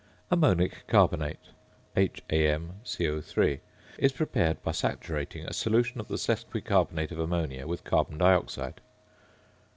~Ammonic Bicarbonate~ (HAmCO_) is prepared by saturating a solution of the sesquicarbonate of ammonia with carbon dioxide.